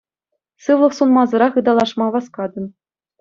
Сывлӑх сунмасӑрах ыталашма васкатӑн.